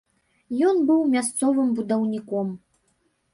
Ён быў мясцовым будаўніком.